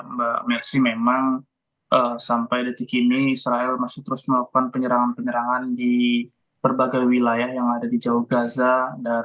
mbak mersi memang sampai detik ini israel masih terus melakukan penyerangan penyerangan di berbagai wilayah yang ada di jauh gaza